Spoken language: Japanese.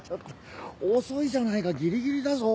遅いじゃないかギリギリだぞ。